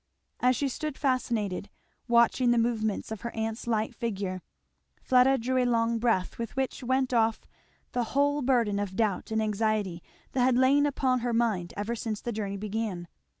As she stood fascinated, watching the movements of her aunt's light figure, Fleda drew a long breath with which went off the whole burden of doubt and anxiety that had lain upon her mind ever since the journey began.